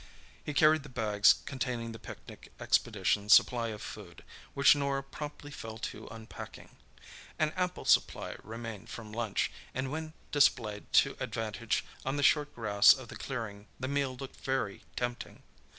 He carried the bags containing the picnic expedition's supply of food, which Norah promptly fell to unpacking. An ample supply remained from lunch, and when displayed to advantage on the short grass of the clearing the meal looked very tempting.